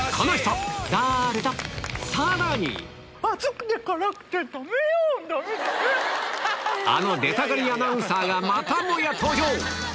さらにあの出たがりアナウンサーがまたもや登場！